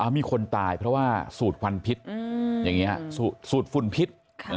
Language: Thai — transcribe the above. มีคนตายเพราะว่าสูตรพุ่นพิษ